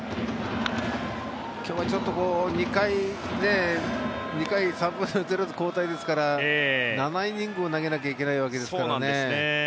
今日はちょっと２回３分の１で交代ですから７イニングを投げなきゃいけないわけですから。